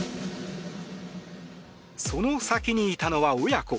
その先にいたのは親子。